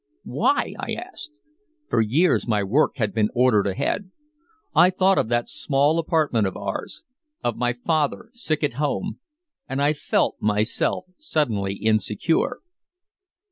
"Why?" I asked. For years my work had been ordered ahead. I thought of that small apartment of ours, of my father sick at home and I felt myself suddenly insecure.